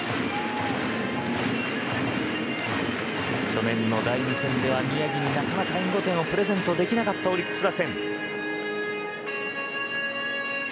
去年の第２戦では宮城に援護点をプレゼントできなかったオリックス打線。